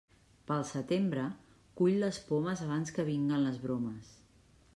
Pel setembre, cull les pomes abans que vinguen les bromes.